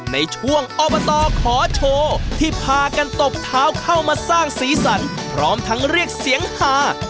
ในช่วงอบตขอโชว์ที่พากันตบเท้าเข้ามาสร้างสีสันพร้อมทั้งเรียกเสียงหา